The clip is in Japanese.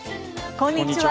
こんにちは。